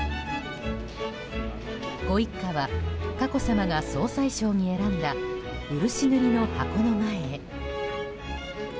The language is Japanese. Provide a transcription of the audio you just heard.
ご一家は佳子さまが総裁賞に選んだ漆塗りの箱の前へ。